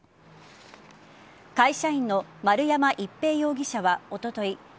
会社員の丸山一平容疑者はおととい